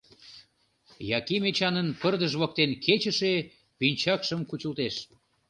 Яким Эчанын пырдыж воктен кечыше пинчакшым кучылтеш.